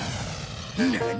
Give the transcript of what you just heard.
何？